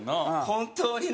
本当に。